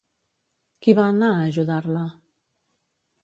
Qui va anar a ajudar-la?